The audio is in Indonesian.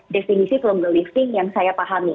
definisi frugal lifting yang saya pahami